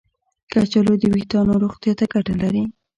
کچالو د ویښتانو روغتیا ته ګټه لري.